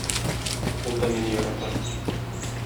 Ул да мине ярата.